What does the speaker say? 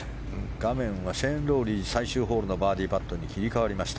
画面はシェーン・ロウリー最終ホールのバーディーパットに切り替わりました。